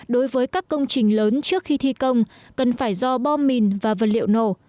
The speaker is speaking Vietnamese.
đối với các công trình lớn trước khi thi công cần phải do bom mìn và vật liệu nổ